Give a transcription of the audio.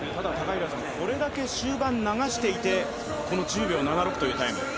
これだけ終盤流していて、この１０秒７６というタイム。